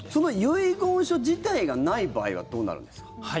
遺言書自体がない場合はどうなるんですか？